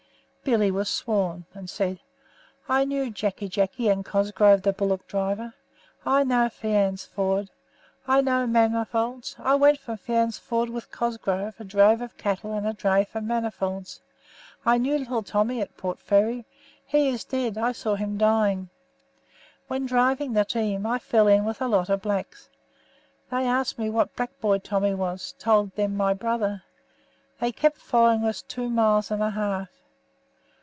Billy was sworn, and said: "I knew Jacky Jacky and Cosgrove, the bullock driver. I know Fyans Ford. I know Manifolds. I went from Fyans Ford with Cosgrove, a drove of cattle, and a dray for Manifolds. I knew Little Tommy at Port Fairy. He is dead. I saw him dying. When driving the team, I fell in with a lot of blacks. They asked me what black boy Tommy was; told them my brother. They kept following us two miles and a half.